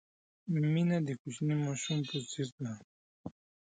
مینه د کوچني ماشوم په څېر ده.